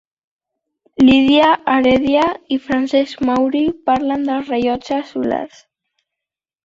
Lídia Heredia i Francesc Mauri parlen dels rellotges solars.